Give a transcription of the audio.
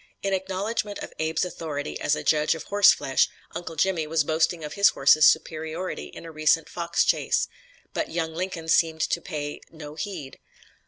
In acknowledgment of Abe's authority as a judge of horse flesh, "Uncle Jimmy" was boasting of his horse's superiority in a recent fox chase. But young Lincoln seemed to pay no heed.